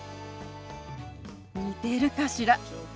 似てるかしら？